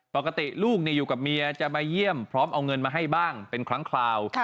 ปกติลูกอยู่กับเมียจะมาเยี่ยมพร้อมเอาเงินมาให้บ้างเป็นครั้งคราว